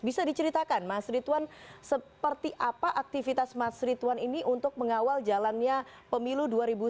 bisa diceritakan mas rituan seperti apa aktivitas mas rituan ini untuk mengawal jalannya pemilu dua ribu sembilan belas